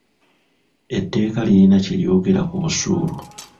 Etteeka lirina kye lyogera ku busuulu.